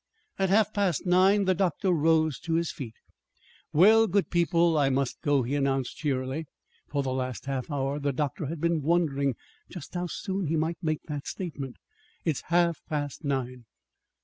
At half past nine the doctor rose to his feet. "Well, good people, I must go," he announced cheerily. (For the last half hour the doctor had been wondering just how soon he might make that statement.) "It's half past nine."